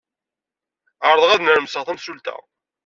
Ɛerḍeɣ ad nnermseɣ tamsulta.